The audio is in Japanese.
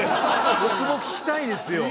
僕も聞きたいですよ